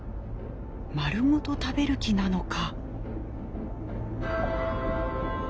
丸ごと食べる気なのか。